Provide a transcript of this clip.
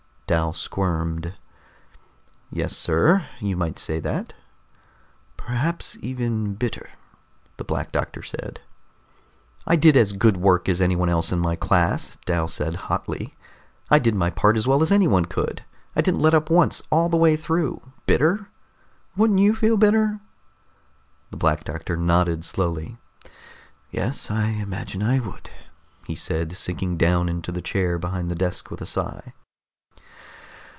Dal squirmed. "Yes, sir. You might say that." "Perhaps even bitter," the Black Doctor said. "I did as good work as anyone else in my class," Dal said hotly. "I did my part as well as anyone could, I didn't let up once all the way through. Bitter! Wouldn't you feel bitter?" The Black Doctor nodded slowly. "Yes, I imagine I would," he said, sinking down into the chair behind the desk with a sigh.